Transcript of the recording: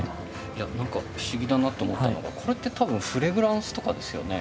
いや何か不思議だなと思ったのがこれって多分フレグランスとかですよね。